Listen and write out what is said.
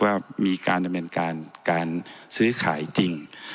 ว่ามีการจำนวนการซื้อขายจริง